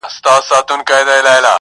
غټ غټ راته ګوري ستا تصویر خبري نه کوي,